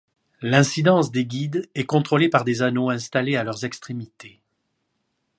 L'incidence des guides est contrôlée par des anneaux installés à leurs extrémités.